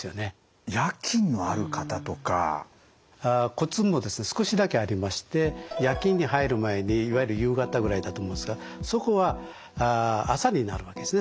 コツもですね少しだけありまして夜勤に入る前にいわゆる夕方ぐらいだと思うんですがそこは朝になるわけですね